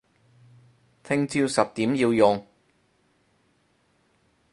聽朝十點要用